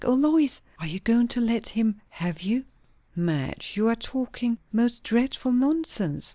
O Lois! are you going to let him have you?" "Madge, you are talking most dreadful nonsense.